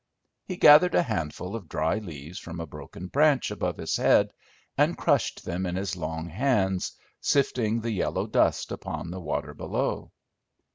He gathered a handful of dry leaves from a broken branch above his head and crushed them in his long hands, sifting the yellow dust upon the water below.